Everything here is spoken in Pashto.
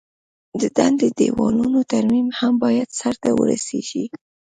د ډنډ د دیوالونو ترمیم هم باید سرته ورسیږي.